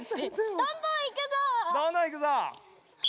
どんどんいくぞ！